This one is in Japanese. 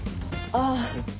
ああ。